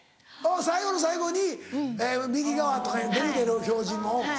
最後の最後に右側とか出る出る表示も。